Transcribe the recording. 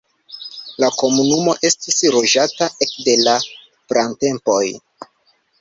La komunumo estis loĝata ekde la pratempoj.